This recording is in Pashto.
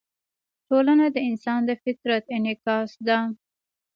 ټولنه د انسان د فطرت انعکاس ده.